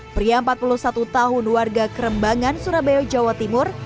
pria empat puluh satu tahun warga kerembangan surabaya jawa timur